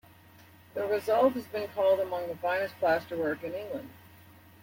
The result has been called among the finest plaster-work in England.